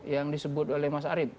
yang disebut oleh mas arief